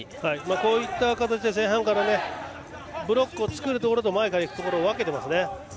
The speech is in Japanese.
こういった形で前半からブロックを作るところと前からいくところと分けていますね。